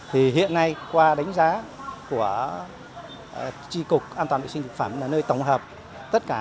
thì hiện nay qua đánh giá của tri cục an toàn vệ sinh thực phẩm là nơi tổng hợp tất cả